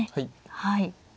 はい。